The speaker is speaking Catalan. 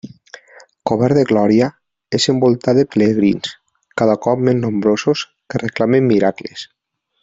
Cobert de glòria, és envoltat de pelegrins, cada cop més nombrosos, que reclamen miracles.